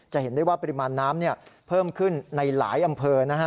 เห็นได้ว่าปริมาณน้ำเพิ่มขึ้นในหลายอำเภอนะฮะ